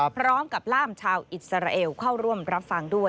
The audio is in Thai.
พร้อมกับล่ามชาวอิสราเอลเข้าร่วมรับฟังด้วย